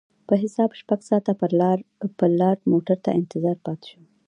په حساب شپږ ساعته پر لار موټر ته انتظار پاتې شوم.